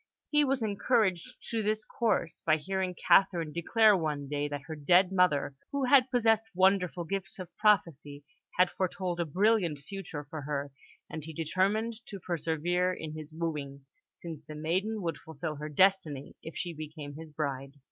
He was encouraged to this course by hearing Catherine declare one day that her dead mother, who had possessed wonderful gifts of prophecy, had foretold a brilliant future for her; and he determined to persevere in his wooing, since the maiden would fulfil her destiny if she became his bride.